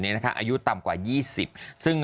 อายุต่ำกว่า๒๐ซึ่ง